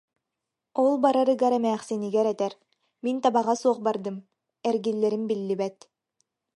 Ол барарыгар эмээхсинигэр этэр: «Мин табаҕа суох бардым, эргиллэрим биллибэт»